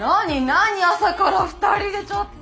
朝から２人でちょっと。